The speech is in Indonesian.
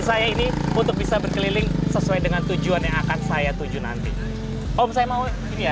saya ini untuk bisa berkeliling sesuai dengan tujuan yang akan saya tuju nanti om saya mau ini ya